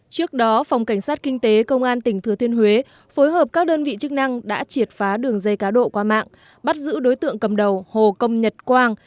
trước đó phòng cảnh sát kinh tế công an tỉnh thừa thiên huế phối hợp các đơn vị chức năng đã triệt phá đường dây cá độ qua mạng bắt giữ đối tượng cầm đầu hồ công nhật quang